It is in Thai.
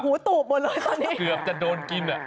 หูตูบหมดเลยตอนนี้